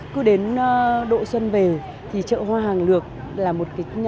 cứ đến độ xuân về thì chợ hoa hàng lược là một cái